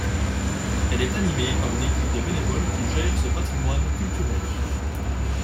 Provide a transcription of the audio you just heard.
Elle est animée par une équipe de bénévoles qui gère ce patrimoine culturel.